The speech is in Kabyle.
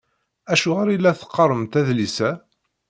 Acuɣer i la teqqaremt adlis-a?